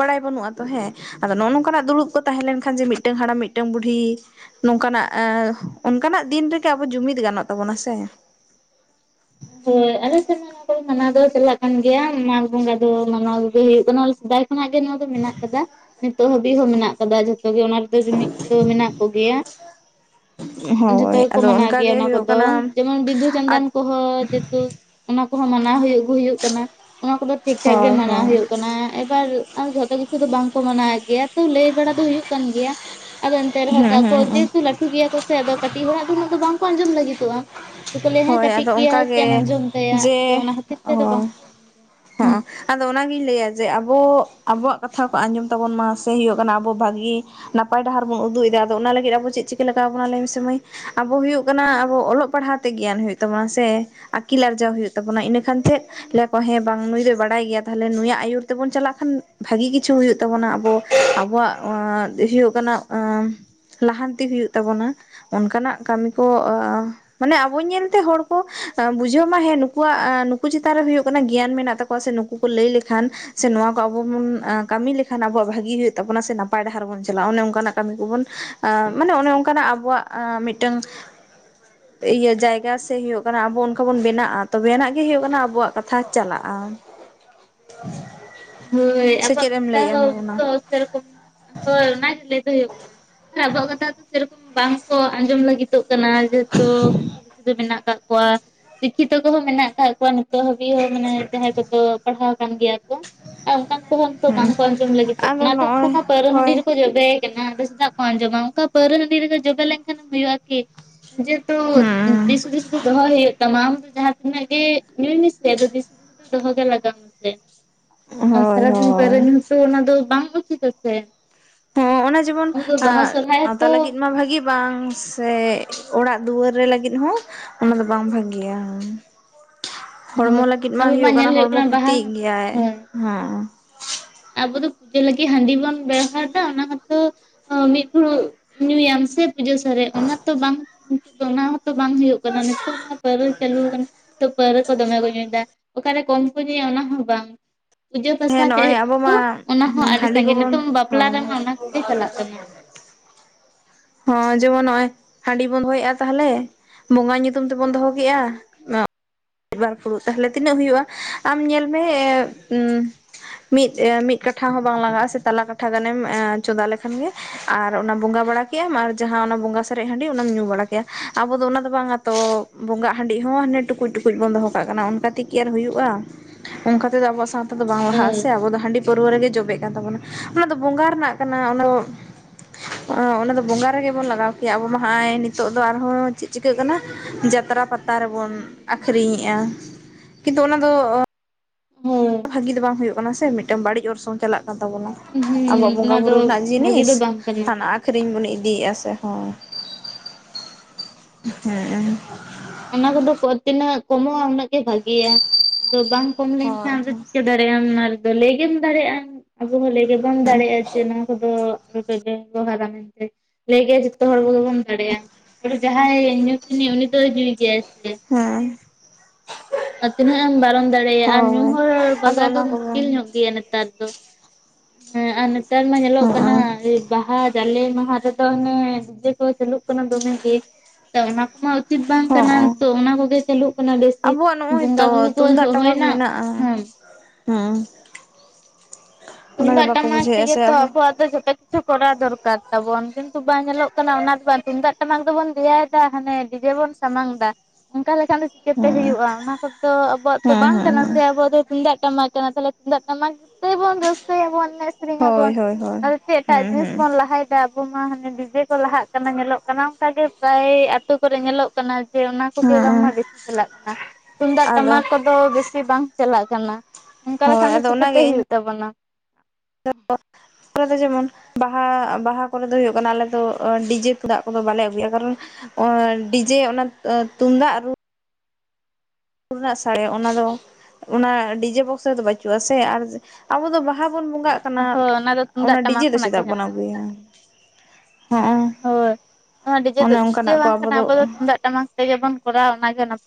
ᱵᱟᱲᱟᱭ ᱵᱟᱹᱱᱩᱜᱼᱟ ᱛᱚ ᱦᱮᱸ ᱟᱫᱚ ᱱᱚᱜᱼᱚ ᱱᱚᱝᱠᱟᱱᱟᱜ ᱫᱩᱲᱩᱵ ᱠᱚ ᱛᱟᱦᱮᱸ ᱞᱮᱱᱠᱷᱟᱱ ᱡᱮ ᱢᱤᱫᱴᱟᱝ ᱦᱟᱲᱟᱢ ᱢᱤᱫ ᱢᱤᱫᱴᱟᱝ ᱵᱩᱰᱦᱤ ᱱᱚᱝᱠᱟᱱᱟᱜ ᱚᱱᱠᱟᱱᱟᱜ ᱫᱤᱱ ᱨᱮᱜᱮ ᱟᱵᱚ ᱡᱩᱢᱤᱫ ᱜᱟᱱᱚᱜ ᱛᱟᱵᱚᱱᱟ ᱥᱮ ᱦᱳᱭ ᱟᱞᱮ ᱥᱮᱱ ᱦᱚ ᱚᱱᱟ ᱫᱚ ᱢᱟᱱᱟᱣ ᱫᱚ ᱪᱟᱞᱟᱜ ᱠᱟᱱ ᱜᱮᱭᱟ ᱢᱟᱜᱽ ᱵᱚᱸᱜᱟ ᱫᱚ ᱢᱟᱱᱟᱣ ᱠᱚᱜᱮ ᱦᱩᱭᱩᱜ ᱠᱟᱱᱟ ᱥᱮᱫᱟᱭ ᱠᱷᱚᱱᱟᱜ ᱜᱮ ᱱᱚᱣᱟ ᱫᱚ ᱢᱮᱱᱟᱜ ᱠᱟᱫᱟ ᱱᱤᱛᱚᱜ ᱦᱟᱹᱵᱤᱡ ᱦᱚᱸ ᱢᱮᱱᱟᱜ ᱠᱟᱫᱟ ᱡᱚᱛᱚ ᱜᱮ ᱚᱱᱟ ᱨᱮᱫᱚ ᱡᱩᱢᱤᱫ ᱫᱚ ᱢᱮᱱᱟᱜ ᱠᱚᱜᱮᱭᱟ ᱡᱚᱛᱚ ᱦᱳᱭ ᱜᱮᱠᱚ ᱟᱫᱚ ᱢᱟᱱᱟᱣ ᱚᱱᱠᱟ ᱜᱮᱭᱟ ᱜᱮ ᱚᱱᱟ ᱦᱩᱭᱩᱜ ᱠᱟᱱᱟ ᱟᱫ ᱡᱮᱛᱩ ᱚᱱᱟ ᱠᱚᱦᱚᱸ ᱢᱟᱱᱟᱣ ᱦᱩᱭᱩᱜ ᱦᱩᱭᱩᱜ ᱠᱟᱱᱟ ᱚᱱᱟ ᱠᱚᱫᱚ ᱴᱷᱤᱠ ᱴᱷᱟᱠ ᱜᱮ ᱦᱳᱭ ᱢᱟᱱᱟᱣ ᱦᱳᱭ ᱦᱩᱭᱩᱜ ᱠᱟᱱᱟ ᱮᱵᱟᱨ ᱟᱨ ᱡᱷᱚᱛᱚ ᱠᱤᱪᱷᱩ ᱫᱚ ᱵᱟᱝᱠᱚ ᱢᱟᱱᱟᱣᱮᱫ ᱜᱮᱭᱟ ᱛᱚ ᱞᱟᱹᱭ ᱵᱟᱲᱟ ᱫᱚ ᱦᱩᱭᱩᱜ ᱠᱟᱱ ᱜᱮᱭᱟ ᱟᱫᱚ ᱮᱱᱛᱮ ᱨᱮᱦᱚᱸ ᱦᱩᱸ ᱛᱟᱛᱚ ᱦᱩᱸ ᱡᱮᱦᱮᱛᱩ ᱞᱟᱹᱴᱩ ᱜᱮᱭᱟ ᱠᱚ ᱥᱮ ᱟᱫᱚ ᱠᱟᱹᱴᱤᱡ ᱦᱚᱲᱟᱜ ᱫᱚ ᱩᱱᱟᱹᱜ ᱫᱚ ᱵᱟᱝᱠᱚ ᱟᱸᱡᱚᱢ ᱞᱟᱹᱜᱤᱫᱚᱜᱼᱟ ᱟᱠᱚ ᱞᱟᱹᱭᱟ ᱦᱳᱭ ᱠᱟᱹᱴᱤᱡ ᱟᱫᱚ ᱜᱮᱭᱟ ᱪᱮᱫ ᱮᱢ ᱚᱱᱠᱟᱜᱮ ᱟᱸᱡᱚᱢ ᱛᱟᱭᱟ ᱟ ᱚᱱᱟ ᱠᱷᱟᱹᱛᱤᱨ ᱛᱮᱫᱚ ᱵᱟᱝ [unintelligible] ᱦᱚᱸᱜ ᱚ ᱟᱫᱚ ᱚᱱᱟᱜᱤᱧ ᱞᱟᱹᱭᱟ ᱡᱮ ᱟᱵᱚ ᱟᱵᱚᱣᱟᱜ ᱠᱟᱛᱷᱟ ᱠᱚ ᱟᱸᱡᱚᱢ ᱛᱟᱵᱚᱱ ᱢᱟ ᱥᱮ ᱦᱩᱭᱩᱜ ᱠᱟᱱᱟ ᱟᱵᱚ ᱵᱷᱟᱹᱜᱤ ᱱᱟᱯᱟᱭ ᱰᱟᱦᱟᱨ ᱵᱚᱱ ᱩᱫᱩᱜ ᱮᱫᱟ ᱟᱫᱚ ᱚᱱᱟ ᱞᱟᱹᱜᱤᱫ ᱟᱵᱚ ᱪᱮᱫ ᱪᱤᱠᱟ ᱞᱟᱜᱟᱣ ᱟᱵᱚᱱᱟ ᱞᱟᱹᱭ ᱢᱮᱥᱮ ᱢᱟᱹᱭ ᱟᱵᱚ ᱦᱩᱭᱩᱜ ᱠᱟᱱᱟ ᱟᱵᱚ ᱚᱞᱚᱜ ᱯᱟᱲᱦᱟᱣ ᱛᱮ ᱜᱮᱭᱟᱱ ᱦᱩᱭᱩᱜ ᱛᱟᱵᱚᱱᱟ ᱥᱮ ᱟᱹᱠᱤᱞ ᱟᱨᱡᱟᱣ ᱦᱩᱭᱩᱜ ᱛᱟᱵᱚᱱᱟ ᱤᱱᱟᱹ ᱠᱷᱟᱱ ᱪᱮᱫ ᱞᱟᱹᱭ ᱟᱠᱚ ᱦᱮ ᱵᱟᱝ ᱱᱩᱭ ᱫᱚᱭ ᱵᱟᱲᱟᱭ ᱜᱮᱭᱟ ᱛᱟᱦᱚᱞᱮ ᱱᱩᱭᱟᱜ ᱟᱹᱭᱩᱨ ᱛᱮᱵᱚᱱ ᱪᱟᱞᱟᱜ ᱠᱷᱟᱱ ᱵᱷᱟᱜᱤ ᱠᱤᱪᱷᱩ ᱦᱩᱭᱩᱜ ᱛᱟᱵᱚᱱᱟ ᱟᱵᱚ ᱟᱵᱚᱣᱟᱜ ᱦᱩᱭᱩᱜ ᱠᱟᱱᱟ ᱮ ᱞᱟᱦᱟᱱᱛᱤ ᱦᱩᱭᱩᱜ ᱛᱟᱵᱚᱱᱟ ᱚᱱᱠᱟᱱᱟᱜ ᱠᱟᱹᱢᱤ ᱠᱚ ᱢᱟᱱᱮ ᱟᱵᱚ ᱧᱮᱞᱛᱮ ᱦᱚᱲ ᱠᱚ ᱵᱩᱡᱷᱟᱹᱣ ᱢᱟ ᱦᱮᱸ ᱱᱩᱠᱩᱣᱟᱜ ᱱᱩᱠᱩ ᱪᱮᱛᱟᱱ ᱨᱮ ᱦᱩᱭᱩᱜ ᱠᱟᱱᱟ ᱜᱮᱭᱟᱱ ᱢᱮᱱᱟᱜ ᱛᱟᱠᱚᱣᱟ ᱥᱮ ᱱᱩᱠᱩ ᱠᱚ ᱞᱟᱹᱭ ᱞᱮᱠᱷᱟᱱ ᱥᱮ ᱱᱚᱣᱟ ᱠᱚ ᱟᱵᱚ ᱵᱚᱱ ᱠᱟᱹᱢᱤ ᱞᱮᱠᱷᱟᱱ ᱟᱵᱚᱣᱟᱜ ᱵᱷᱟᱜᱤ ᱦᱩᱭᱩᱜ ᱛᱟᱵᱚᱱᱟ ᱥᱮ ᱱᱟᱯ ᱯᱟᱭ ᱰᱟᱦᱟᱨ ᱵᱚᱱ ᱪᱟᱞᱟᱜᱼᱟ ᱚᱱᱮ ᱚᱱᱠᱟᱱᱟᱜ ᱠᱟᱹᱢᱤ ᱠᱚᱵᱚᱱ ᱢᱟᱱᱮ ᱚᱱᱮ ᱚᱱᱠᱟᱱᱟᱜ ᱟᱵᱚᱣᱟᱜ ᱢᱤᱫᱴᱟᱝ ᱤᱭᱟᱹ ᱡᱟᱭᱜᱟ ᱥᱮ ᱦᱩᱭᱩᱜ ᱠᱟᱱᱟ ᱟᱵᱚ ᱚᱱᱠᱟ ᱵᱚᱱ ᱵᱮᱱᱟᱜᱼᱟ ᱛᱚᱵᱮ ᱱᱟᱜ ᱜᱮ ᱦᱩᱭᱩᱜ ᱠᱟᱱᱟ ᱟᱵᱚᱣᱟᱜ ᱠᱟᱛᱷᱟ ᱠᱟᱛᱷᱟ ᱪᱟᱞᱟᱜᱼᱟ ᱦᱳᱭ ᱥᱮ ᱟᱵᱚᱣᱟᱜ ᱪᱮᱫ ᱮᱢ ᱠᱟᱛᱷᱟ ᱞᱟᱹᱭᱮᱜᱼᱟ ᱢᱚᱱᱟ ᱦᱚᱸ ᱥᱮᱨᱚᱠᱚᱢ ᱦᱳᱭ ᱚᱱᱟᱜ ᱞᱟᱹᱭ ᱫᱚ ᱦᱩᱭᱩᱜ ᱠᱟᱱᱟ ᱟᱵᱚᱣᱟᱜ ᱠᱟᱛᱷᱟ ᱛᱚ ᱥᱮᱨᱚᱠᱚᱢ ᱵᱟᱝᱠᱚ ᱟᱸᱡᱚᱢ ᱞᱟᱹᱜᱤᱫᱚᱜ ᱠᱟᱱᱟ ᱡᱮᱦᱮᱛᱩ ᱠᱤᱪᱷᱩ ᱠᱤᱪᱷᱩ ᱫᱚ ᱢᱮᱱᱟᱜ ᱠᱟᱜ ᱠᱚᱣᱟ ᱥᱤᱠᱠᱷᱤᱛᱚ ᱠᱚᱦᱚᱸ ᱢᱮᱱᱟᱜ ᱟᱠᱟᱫ ᱠᱚᱣᱟ ᱱᱤᱛᱚᱜ ᱦᱟᱹᱵᱤᱡ ᱦᱚᱸ ᱢᱟᱱᱮ ᱡᱟᱦᱟᱸᱭ ᱠᱚᱫᱚ ᱯᱟᱲᱦᱟᱣ ᱟᱠᱟᱱ ᱜᱮᱭᱟ ᱠᱚ ᱟᱨ ᱚᱱᱠᱟᱱ ᱩᱱᱠᱩ ᱛᱚ ᱦᱩᱸ ᱵᱟᱝᱠᱚ ᱟᱸᱡᱚᱢ ᱞᱟᱹᱜᱤᱫᱚᱜ ᱟᱫᱚ ᱚᱱᱟ ᱫᱚ ᱩᱱᱠᱩ ᱱᱚᱜᱼᱚᱭ ᱢᱟ ᱯᱟᱹᱨ ᱦᱟᱺᱰᱤ ᱦᱳᱭ ᱨᱮᱠᱚ ᱡᱚᱵᱮ ᱫᱚ ᱪᱮᱫᱟᱜ ᱠᱚ ᱟᱸᱡᱚᱢᱟ ᱚᱱᱠᱟ ᱯᱟᱹᱣᱨᱟᱹᱺᱰᱤ ᱨᱮᱜᱮ ᱡᱚᱵᱮ ᱞᱮᱱᱠᱷᱟᱱ ᱦᱩᱭᱩᱜᱼᱟ ᱠᱤ ᱡᱮᱦᱩᱛᱩ ᱦᱩᱸ ᱫᱤᱥ ᱦᱩᱫᱤᱥ ᱫᱚ ᱫᱚᱦᱚᱭ ᱦᱩᱭᱩᱜ ᱛᱟᱢᱟ ᱡᱟᱦᱟᱸ ᱛᱤᱱᱟᱹᱜ ᱜᱮ ᱧᱩᱭ ᱢᱮᱥᱮ ᱟᱫ ᱫᱤᱥ ᱦᱩᱫᱤᱥ ᱫᱚ ᱫᱚᱦᱚᱜᱮ ᱞᱟᱜᱟᱣ ᱢᱮᱥᱮ ᱟᱨ ᱦᱳᱭ ᱥᱟᱨᱟᱫᱤᱱ ᱦᱳᱭ ᱯᱟᱣᱨᱟᱹ ᱦᱚᱛᱚ ᱚᱱᱟ ᱫᱚ ᱵᱟᱝ ᱩᱪᱤᱛ-ᱟ ᱥᱮ ᱦᱮ ᱱᱚᱜ ᱡᱮᱢᱚᱱ ᱟᱵᱚ ᱫᱚ ᱵᱟᱦᱟ ᱥᱚᱨᱦᱟᱭ ᱥᱟᱶᱛᱟ ᱦᱚᱸᱛᱚ ᱞᱟᱹᱜᱤᱫ ᱢᱟ ᱵᱷᱟᱜᱤ ᱵᱟᱝ ᱥᱮ ᱚᱲᱟᱜ ᱫᱩᱣᱟᱹᱨ ᱨᱮ ᱞᱟᱹᱜᱤᱫ ᱦᱚᱸ ᱚᱱᱟ ᱫᱚ ᱵᱟᱝ ᱵᱷᱟᱜᱮᱭᱟ ᱦᱚᱲᱢᱚ ᱦᱳᱭ ᱞᱟᱹᱜᱤᱫ ᱢᱟ ᱟᱵᱚ ᱦᱩᱭᱩᱜ ᱧᱮᱞ ᱠᱟᱱᱟ ᱦᱚᱲᱢᱚ ᱵᱟᱦᱟ ᱠᱷᱚᱛᱤᱜ ᱜᱮᱭᱟᱭ ᱦᱳᱭ ᱦᱮ ᱟᱵᱚ ᱫᱚ ᱯᱩᱡᱟᱹ ᱞᱟᱹᱜᱤᱫ ᱦᱟᱺᱰᱤ ᱵᱩᱱ ᱵᱮᱣᱦᱟᱨᱮᱫᱟ ᱚᱱᱟ ᱦᱚ ᱛᱚ ᱢᱤᱫ ᱯᱷᱩᱲᱩᱜ ᱧᱩᱭᱟᱢ ᱥᱮ ᱯᱩᱡᱟᱹ ᱥᱟᱨᱮᱡ ᱚᱱᱟ ᱛᱚ ᱵᱟᱝ ᱱᱤᱛᱚᱜ ᱫᱚ ᱚᱱᱟ ᱦᱚᱸᱛᱚ ᱵᱟᱝ ᱦᱩᱭᱩᱜ ᱠᱟᱱᱟ ᱱᱤᱛᱚᱜ ᱢᱟ ᱯᱟᱹᱣᱨᱟᱹ ᱪᱟᱹᱞᱩ ᱠᱟᱱᱟ ᱛᱚ ᱯᱟᱹᱣᱨᱟᱹ ᱠᱚ ᱫᱚᱢᱮ ᱠᱚ ᱧᱩᱭᱫᱟ ᱚᱠᱟᱨᱮ ᱠᱚᱢ ᱠᱚ ᱧᱩᱭᱟ ᱚᱱᱟ ᱦᱚᱸ ᱵᱟᱝ ᱯᱩᱡᱟᱹ ᱯᱟᱥᱟ ᱦᱮᱸ ᱱᱚᱜᱼᱚᱭ ᱟᱵᱚ ᱢᱟ ᱚᱱᱟ ᱦᱚᱸ ᱟᱹᱰᱤ ᱦᱟᱺᱰᱤ ᱥᱟᱺᱜᱤᱧ ᱠᱚᱵᱚᱱ ᱱᱤᱛᱚᱝ ᱵᱟᱯᱞᱟ ᱦᱳᱭ ᱨᱮᱢᱟ ᱚᱱᱟ ᱠᱚᱜᱮ ᱪᱟᱞᱟᱜ ᱠᱟᱱᱟ ᱦᱚᱸ ᱡᱮᱢᱚᱱ ᱱᱚᱜᱚᱭ ᱦᱟᱺᱰᱤ ᱵᱚᱱ ᱫᱚᱦᱚᱭᱮᱫᱼᱟ ᱛᱟᱦᱞᱮ ᱵᱚᱸᱜᱟ ᱧᱩᱛᱩᱢ ᱛᱮᱵᱚᱱ ᱫᱚᱦᱚ ᱠᱮ-ᱟ ᱢᱤᱫᱵᱟᱨ ᱯᱷᱩᱲᱩᱜ ᱛᱟᱦᱚᱞᱮ ᱛᱤᱱᱟᱹᱜ ᱦᱩᱭᱩᱜᱼᱟ ᱟᱢ ᱧᱮᱞ ᱢᱮ ᱢᱤᱫ ᱢᱤᱫ ᱠᱟᱴᱷᱟ ᱦᱚᱸ ᱵᱟᱝ ᱞᱟᱜᱟᱜᱼᱟ ᱥᱮ ᱛᱟᱞᱟ ᱠᱟᱴᱷᱟ ᱜᱟᱱᱮᱢ ᱪᱚᱸᱫᱟ ᱞᱮᱠᱷᱟᱱ ᱜᱮ ᱟᱨ ᱚᱱᱟ ᱵᱚᱸᱜᱟ ᱵᱟᱲᱟ ᱠᱮᱟᱢ ᱟᱨ ᱡᱟᱦᱟᱸ ᱚᱱᱟ ᱵᱚᱸᱜᱟ ᱥᱟᱨᱮᱡ ᱦᱟᱺᱰᱤ ᱚᱱᱟᱢ ᱧᱩ ᱵᱟᱲᱟ ᱠᱮᱭᱟ ᱟᱵᱚ ᱫᱚ ᱚᱱᱟ ᱫᱚ ᱵᱟᱝᱟ ᱛᱚ ᱵᱚᱸᱜᱟ ᱦᱟᱺᱰᱤ ᱦᱚᱸ ᱦᱟᱱᱮ ᱴᱩᱠᱩᱡ ᱴᱩᱠᱩᱡ ᱵᱚᱱ ᱫᱚᱦᱚ ᱠᱟᱜ ᱠᱟᱱᱟ ᱚᱱᱠᱟ ᱛᱮᱜᱮ ᱟᱨ ᱦᱩᱭᱩᱜᱼᱟ ᱚᱱᱠᱟ ᱛᱮᱫᱚ ᱟᱵᱚᱣᱟᱜ ᱥᱟᱶ ᱫᱚ ᱵᱟᱝ ᱞᱟᱦᱟᱜ ᱦᱳᱭ ᱟᱥᱮ ᱟᱵᱚ ᱫᱚ ᱦᱟᱺᱰᱤ ᱯᱟᱹᱨᱟᱹᱣᱨᱟᱹ ᱨᱮᱜᱮ ᱡᱚᱵᱮᱜ ᱠᱟᱱ ᱛᱟᱵᱚᱱᱟ ᱚᱱᱟᱫᱚ ᱵᱚᱸᱜᱟ ᱨᱮᱱᱟᱜ ᱠᱟᱱᱟ ᱚᱱᱟ ᱚᱱᱟᱫᱚ ᱵᱚᱸᱜᱟ ᱨᱮᱜᱮ ᱵᱚᱱ ᱞᱟᱜᱟᱣ ᱠᱮᱭᱟ ᱟᱵᱚ ᱢᱟ ᱦᱜᱭ ᱱᱤᱛᱚᱜ ᱫᱚ ᱟᱨᱦᱚᱸ ᱪᱮᱫ ᱪᱤᱠᱟᱹᱜ ᱠᱟᱱᱟ ᱡᱟᱛᱨᱟ ᱯᱟᱛᱟ ᱨᱮᱵᱚᱱ ᱟᱠᱷᱨᱤᱧᱮᱫᱼᱟ ᱠᱤᱱᱛᱩ ᱚᱱᱟ ᱫᱚ ᱦᱳᱭ ᱵᱷᱟᱜᱤ ᱫᱚ ᱵᱟᱝ ᱦᱩᱭᱩᱜ ᱠᱟᱱᱟ ᱥᱮ ᱢᱤᱫᱴᱟᱝ ᱵᱟᱹᱲᱤᱡ ᱚᱨᱥᱚᱝ ᱪᱟᱞᱟᱜ ᱠᱟᱱᱟ ᱛᱟᱵᱚᱱᱟ ᱦᱩᱸ ᱟᱵᱚᱣᱟᱜ ᱵᱚᱸᱜᱟ ᱚᱱᱟ ᱫᱚ ᱵᱩᱨᱩ ᱨᱮᱱᱟᱜ ᱵᱷᱟᱜᱤ ᱡᱤᱱᱤᱥ ᱫᱚ ᱵᱟᱝ ᱠᱟᱱᱟ ᱦᱟᱱᱟ ᱟᱹᱷᱨᱤᱧ ᱵᱚᱱ ᱫᱟ ᱟᱥᱮ [unintelligible] ᱦᱮᱸ ᱚᱱᱟ ᱠᱚᱫᱚ ᱛᱤᱱᱟᱹᱜ ᱠᱚᱢᱚᱜᱼᱟ ᱩᱱᱟᱹᱜ ᱜᱮ ᱵᱷᱟᱜᱮᱭᱟ ᱟᱫᱚ ᱵᱟᱢ ᱠᱚᱢ ᱦᱳᱭ ᱞᱮᱱᱠᱷᱟᱱ ᱟᱫᱚ ᱦᱳᱭ ᱪᱤᱠᱟᱹ ᱫᱟᱲᱮᱭᱼᱟᱢ ᱢᱟ ᱞᱮ ᱟ ᱞᱟᱹᱭ ᱜᱮᱢ ᱫᱟᱲᱮᱭᱟᱜᱼᱟ ᱟᱵᱚ ᱦᱚᱸ ᱞᱟᱹᱭ ᱜᱮᱵᱚᱱ ᱫᱟᱲᱮᱭᱟᱜᱼᱟ ᱡᱮ ᱱᱚᱣᱟ ᱠᱚᱫᱚ ᱟᱞᱚᱯᱮ ᱵᱮᱵᱚᱦᱟᱨᱟ ᱢᱮᱱ ᱛᱮ ᱞᱟᱹᱭ ᱜᱮᱭᱟ ᱡᱚᱛᱚ ᱦᱚᱲ ᱠᱚᱜ ᱵᱚᱱ ᱫᱟᱲᱮᱭᱟᱜᱼᱟ ᱡᱟᱦᱟᱸᱭ ᱧᱩᱛᱤᱱᱤᱡ ᱩᱱᱤ ᱫᱚᱭ ᱧᱩᱭ ᱜᱮᱭᱟᱭ ᱥᱮ ᱦᱮᱸ ᱛᱤᱱᱟᱹᱜ ᱮᱢ ᱵᱟᱨᱚᱱ ᱫᱟᱲᱮᱭᱟᱜᱼᱟ ᱟᱨ ᱧᱩ ᱦᱳᱭ ᱦᱚᱲ ᱟᱫᱚ ᱵᱟᱜᱟ ᱫᱚ ᱚᱱᱟ ᱠᱚᱜᱮ ᱢᱩᱥᱠᱤᱞ ᱧᱚᱜ ᱜᱮᱭᱟ ᱱᱮᱛᱟᱨ ᱫᱚ ᱦᱮᱸ ᱟᱨ ᱱᱮᱛᱟᱨ ᱢᱟ ᱧᱮᱞᱚᱜ ᱠᱟᱱᱟ ᱦᱚᱸ ᱵᱟᱦᱟ ᱡᱟᱞᱮ ᱢᱟᱦᱟ ᱨᱮᱫᱚ ᱚᱱᱮ ᱰᱤᱡᱮ ᱠᱚ ᱪᱟᱹᱞᱩᱜ ᱠᱟᱱᱟ ᱫᱚᱢᱮ ᱜᱮ ᱛᱚ ᱚᱱᱟ ᱠᱚᱢᱟ ᱩᱪᱤᱛ ᱵᱟᱝ ᱠᱟᱱᱟ ᱦᱚᱸ ᱛᱚ ᱚᱱᱟ ᱠᱚᱜᱮ ᱪᱟᱹᱞᱩᱜ ᱠᱟᱱᱟ ᱵᱮᱥᱤ ᱟᱵᱚᱣᱟᱜ ᱱᱚᱜᱼᱚᱭ ᱵᱚᱸᱜᱟ ᱛᱚ ᱵᱩᱨᱩ ᱠᱚ ᱛᱩᱢᱫᱟᱜ ᱴᱟᱢᱟᱠ ᱦᱩᱭᱱᱟ ᱢᱮᱱᱟᱜᱼᱟ ᱦᱮᱸ ᱦᱮᱸ ᱚᱱᱟᱜᱮ ᱛᱩᱢᱫᱟᱜ ᱵᱟᱠᱚ ᱴᱟᱢᱟᱠ ᱵᱩᱡᱷᱟᱹᱣᱮᱜᱼᱟ ᱛᱮᱜᱮ ᱥᱮ ᱛᱚ ᱟᱵᱚ ᱟᱫᱚ ᱡᱚᱛ ᱠᱤᱪᱷᱩ ᱠᱚᱨᱟᱣ ᱫᱚᱨᱠᱟᱨ ᱛᱟᱵᱚᱱ ᱠᱤᱱᱛᱩ ᱵᱟᱝ ᱧᱮᱞᱚᱜ ᱠᱟᱱᱟ ᱚᱱᱟ ᱫᱚ ᱵᱟᱝ ᱛᱩᱢᱫᱟᱜ ᱴᱟᱢᱟᱠ ᱫᱚᱵᱚᱱ ᱫᱮᱭᱟᱭᱮᱫᱟ ᱦᱟᱱᱮ ᱰᱤᱡᱮ ᱵᱚᱱ ᱥᱟᱢᱟᱝ ᱫᱟ ᱚᱱᱠᱟ ᱞᱮᱠᱷᱟᱱ ᱫᱚ ᱪᱤᱠᱟᱹᱛᱮ ᱦᱮᱸ ᱦᱩᱭᱩᱜᱼᱟ ᱚᱱᱟ ᱠᱚ ᱛᱚ ᱟᱵᱚᱣᱟᱜ ᱛᱚ ᱦᱮᱸ ᱵᱟᱝ ᱦᱮᱸ ᱠᱟᱱᱟ ᱦᱮᱸ ᱥᱮ ᱟᱵᱚ ᱫᱚ ᱛᱩᱫᱟᱜ ᱴᱟᱢᱟᱠ ᱠᱟᱱᱟ ᱛᱟᱦᱚᱞᱮ ᱛᱩᱢᱫᱟᱜ ᱴᱟᱢᱟᱠ ᱛᱮᱵᱚᱱ ᱨᱟᱹᱥᱠᱟᱹ ᱨᱥᱟᱹ ᱟᱵᱚᱱ ᱮᱱᱮᱡ ᱥᱮᱨᱮᱧᱟᱵᱚᱱ ᱦᱳᱭ ᱦᱳᱭ ᱦᱳᱭ ᱟᱫᱚ ᱪᱮᱫ ᱮᱴᱟᱜ ᱦᱩᱸ ᱦᱩᱸ ᱡᱤᱱᱤᱥ ᱵᱚᱱ ᱞᱟᱦᱟᱭᱮᱫᱟ ᱟᱵᱚ ᱢᱟ ᱦᱟᱱᱮ ᱰᱤᱡᱮ ᱠᱚ ᱞᱟᱦᱟᱜ ᱠᱟᱱᱟ ᱧᱮᱞᱚᱜ ᱠᱟᱱᱟ ᱚᱱᱠᱟ ᱜᱮ ᱯᱨᱟᱭ ᱟᱛᱳ ᱠᱚᱨᱮ ᱧᱮᱞᱚᱜ ᱠᱟᱱᱟ ᱡᱮ ᱚᱱᱟ ᱠᱚᱜᱮ ᱵᱟᱝᱢᱟ ᱦᱮᱸ ᱵᱤᱥᱤ ᱪᱟᱞᱟᱜ ᱠᱟᱱᱟ ᱛᱩᱢᱫᱟᱜ ᱟᱫᱚ ᱴᱟᱢᱟᱠ ᱠᱚᱫᱚ ᱵᱤᱥᱤ ᱵᱟᱝ ᱪᱟᱞᱟᱜ ᱠᱟᱱᱟ ᱚᱱᱠᱟ ᱦᱳᱭ ᱞᱮᱠᱷᱟᱱ ᱫᱚ ᱟᱫᱚ ᱪᱤᱠᱟᱹᱛᱮ ᱚᱱᱟᱜᱮ ᱤᱧ ᱦᱩᱭᱩᱜ ᱛᱟᱵᱚᱱᱟ ᱟ ᱫᱚ ᱡᱮᱢᱚᱱ ᱵᱟᱦᱟ ᱵᱟᱦᱟ ᱠᱚᱨᱮ ᱫᱚ ᱦᱩᱭᱩᱜ ᱠᱟᱱᱟ ᱟᱞᱮ ᱫᱚ ᱰᱤᱡᱮ ᱠᱚ ᱫᱟᱜ ᱠᱚᱫᱚ ᱵᱟᱞᱮ ᱟᱹᱜᱩᱭᱟ ᱠᱟᱨᱚᱱ ᱰᱤᱡᱮ ᱚᱱᱟ ᱛᱩᱢᱫᱟᱜ ᱨᱩ ᱨᱮᱱᱟᱜ ᱥᱟᱲᱮ ᱚᱱᱟ ᱫᱚ ᱚᱱᱟ ᱰᱤᱡᱮ ᱵᱚᱠᱥ ᱨᱮᱫᱚ ᱵᱟᱹᱪᱩᱜ ᱟ ᱥᱮ ᱟᱨ ᱟᱵᱚ ᱫᱚ ᱵᱟᱦᱟ ᱵᱚᱱ ᱵᱚᱸᱜᱟᱜ ᱠᱟᱱᱟ ᱦᱳᱭ ᱫᱚ ᱚᱱᱟ ᱛᱩᱢᱫᱟᱜ ᱴᱟᱢᱟᱠ ᱰᱤᱡᱮ ᱫᱚ ᱠᱷᱚᱱᱟᱜ ᱜᱮ ᱪᱮᱫᱟᱜ ᱵᱚᱱ ᱧᱟᱢᱚᱜᱼᱟ ᱟᱹᱜᱩᱭᱟ ᱦᱚᱸᱜᱼᱚ ᱦᱳᱭ ᱚᱱᱟ ᱰᱤᱡᱮ ᱫᱚ ᱚᱱᱮ ᱪᱮᱫ ᱜᱮ ᱚᱱᱠᱟᱱᱟᱜ ᱠᱚ ᱵᱟᱝ ᱠᱟᱱᱟ ᱟᱵᱚ ᱫᱚ ᱛᱩᱢᱫᱟᱜ ᱴᱟᱢᱟᱠ ᱛᱮᱜᱮᱵᱚᱱ ᱠᱚᱨᱟᱣᱟ ᱚᱱᱟᱜᱮ ᱱᱟᱯᱟᱭ